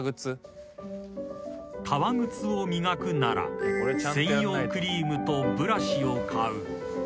［革靴を磨くなら専用クリームとブラシを買う］